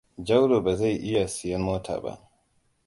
Jauro ba zai iya siyan mota ba.